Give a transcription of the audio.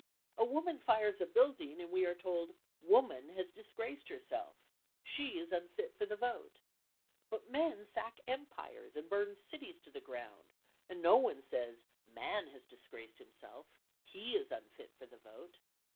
A woman fires a building and we are told "Woman" has disgraced herself, "She" is unfit for the vote. But men sack empires and burn cities to the ground and no one says "Man" has disgraced himself, "He" is unfit for the vote.